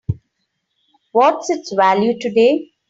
What's its value today?